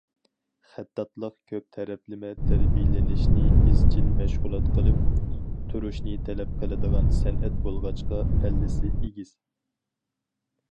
خەتتاتلىق كۆپ تەرەپلىمە تەربىيەلىنىشنى، ئىزچىل مەشغۇلات قىلىپ تۇرۇشنى تەلەپ قىلىدىغان سەنئەت بولغاچقا، پەللىسى ئېگىز.